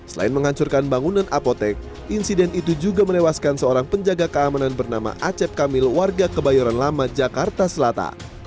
selain menghancurkan bangunan apotek insiden itu juga menewaskan seorang penjaga keamanan bernama acep kamil warga kebayoran lama jakarta selatan